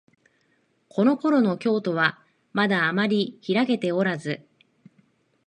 このころの京都は、まだあまりひらけておらず、